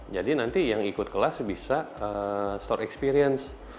jadi nanti yang ikut kelas bisa store experience